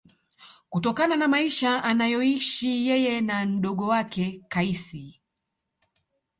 Kutokana na maisha anayoishi yeye na mdogo wake Kaisi